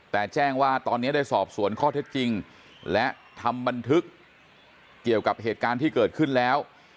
แต่แจ้งว่าตอนนี้ได้สอบสวนข้อเท็จจริงและทำบันทึกเกี่ยวกับเหตุการณ์ที่เกิดขึ้นแล้ว